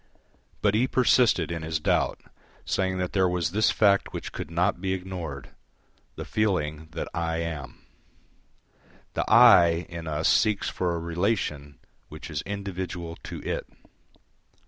But he persisted in his doubt, saying that there was this fact which could not be ignored the feeling that I am. The "I" in us seeks for a relation which is individual to it.